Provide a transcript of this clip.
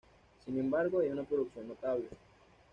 Sin embargo hay una producción notable.